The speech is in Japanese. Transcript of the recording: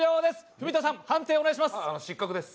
文田さん、判定をお願いします。